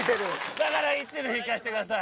だから一塁行かせてください。